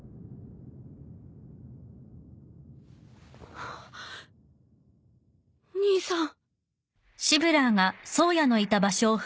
あ兄さん。